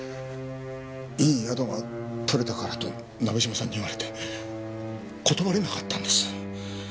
いい宿がとれたからと鍋島さんに言われて断れなかったんです。